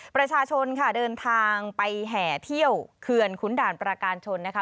ประชาชนค่ะเดินทางไปแห่เที่ยวเขื่อนขุนด่านประการชนนะคะ